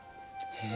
へえ。